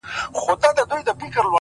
زه تر هغو پورې ژوندی يمه چي ته ژوندۍ يې’